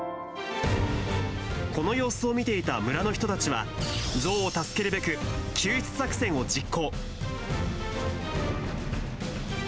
この様子を見ていた村の人たちは、ゾウを助けるべく、救出作戦を実行。